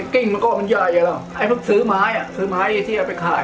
เก้งก็มันใหญ่แล้วไอ้พวกซื้อไม้ซื้อไม้เอเชี่ยไปขาย